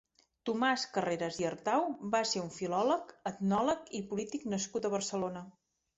Tomàs Carreras i Artau va ser un filòsof, etnòleg i polític nascut a Barcelona.